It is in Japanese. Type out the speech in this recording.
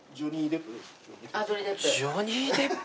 あっジョニー・デップ。